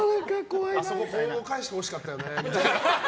あそこ、こう返してほしかったよねみたいな。